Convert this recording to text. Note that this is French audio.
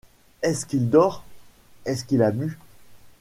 Est-ce qu’il dort ? est-ce qu’il a bu ?…